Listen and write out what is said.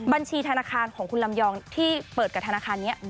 บัญชีธนาคารของคุณลำยองที่เปิดกับธนาคารนี้